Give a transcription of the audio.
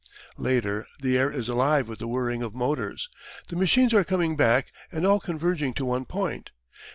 Later the air is alive with the whirring of motors. The machines are coming back and all converging to one point.